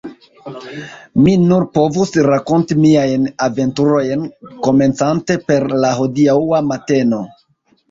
Mi nur povus rakonti miajn aventurojn komencante per la hodiaŭa mateno,.